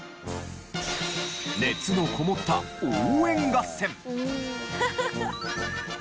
熱のこもった応援合戦。